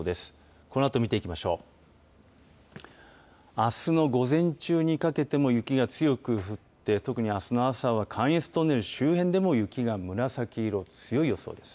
あすの午前中にかけても雪が強く降って、特にあすの朝は関越トンネル周辺でも、雪が紫色、強い予想です。